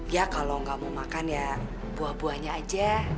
ya kalau nggak mau makan ya buah buahnya aja